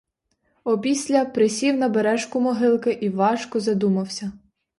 Опісля присів на бережку могилки і важко задумався.